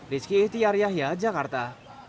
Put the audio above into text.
rizky ihtiar yahya jakarta